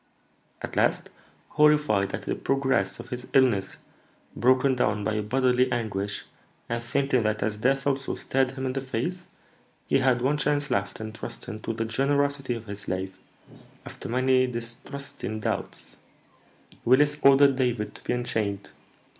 At last, horrified at the progress of his illness, broken down by bodily anguish, and thinking that, as death also stared him in the face, he had one chance left in trusting to the generosity of his slave, after many distrusting doubts, Willis ordered David to be unchained."